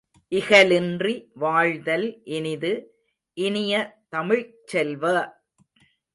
இகலின்றி வாழ்தல் இனிது இனிய தமிழ்ச் செல்வ!